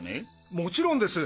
もちろんです！